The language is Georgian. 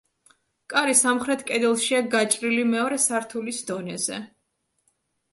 კარი სამხრეთ კედელშია გაჭრილი მეორე სართულის დონეზე.